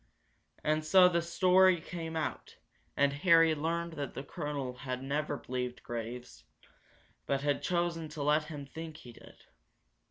And so the story came out, and Harry learned that the colonel had never believed Graves, but had chosen to let him think he did.